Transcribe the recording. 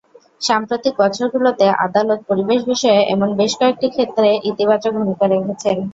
সাম্প্রতিক বছরগুলোতে আদালত পরিবেশ বিষয়ে এমন বেশ কয়েকটি ক্ষেত্রে ইতিবাচক ভূমিকা রেখেছেন।